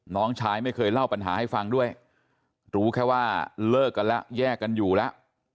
น้องชายไม่เคยเล่าปัญหาให้ฟังด้วยรู้แค่ว่าเลิกกันแล้วแยกกันอยู่แล้ว